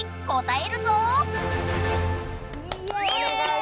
え！